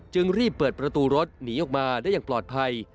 รีบเปิดประตูรถหนีออกมาได้อย่างปลอดภัย